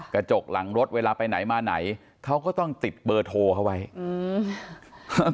กระจกหลังรถเวลาไปไหนมาไหนเขาก็ต้องติดเบอร์โทรเขาไว้อืม